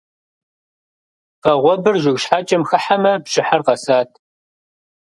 Вагъуэбэр жыг щхьэкӀэм хыхьамэ бжьыхьэр къэсат.